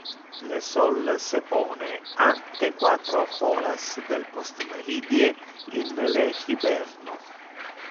Le sol se pone ante quatro horas del postmeridie in le hiberno.